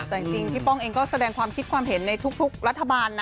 แต่จริงพี่ป้องเองก็แสดงความคิดความเห็นในทุกรัฐบาลนะ